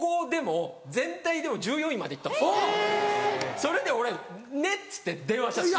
それで俺「ねっ！」つって電話したんです。